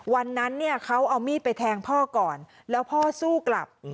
วันนั้นเนี่ยเขาเอามีดไปแทงพ่อก่อนแล้วพ่อสู้กลับ